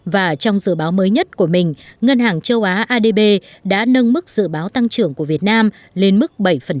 và trong dự báo mới nhất của mình ngân hàng châu á adb đã nâng mức dự báo tăng trưởng của việt nam lên mức bảy